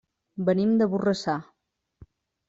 Venim de Borrassà.